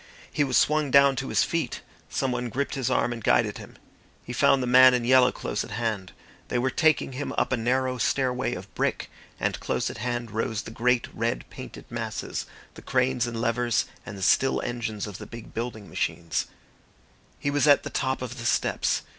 He was swung down to his feet; someone gripped his arm and guided him. He found the man in yellow close at hand. They were taking him up a narrow stairway of brick, and close at hand rose the great red painted masses, the cranes and levers and the still engines of the big building machine. He was at the top of the steps.